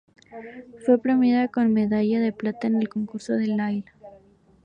Fue premiado con medalla de plata en el concurso de Lille.